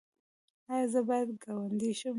ایا زه باید ګاونډی شم؟